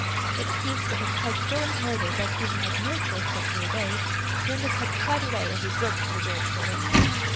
But Keith, with a tug so imperative that Susan had no choice but to obey, turned his head quite away as he groped for the door to go in.